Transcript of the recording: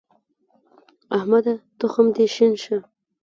احمده! تخم دې شين شه.